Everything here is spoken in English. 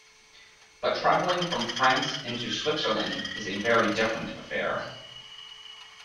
But travelling from France into Switzerland is a very different affair.